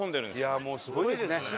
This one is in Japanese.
いやあもうすごいですね。